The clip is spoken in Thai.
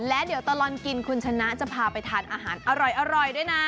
และเดี๋ยวตลอดกินคุณชนะจะพาไปทานอาหารอร่อยด้วยนะ